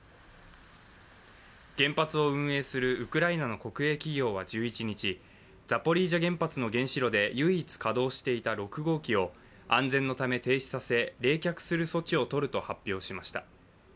原発を運営するウクライナの国営企業は１１日、ザポリージャ原発の原子炉で唯一稼働していた６号機を安全のため停止させ冷却する措置をとると発表しました。